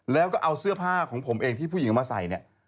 แล้วก็เอาเสื้อผ้าของผมเองที่ผู้หญิงมาใส่เนี่ย